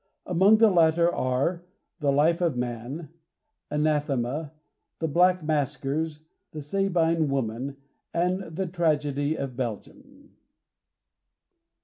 Among the latter are "The Life of Man," "Anathema," "The Black Maskers," "The Sabine Women," and "The Tragedy of Belgium."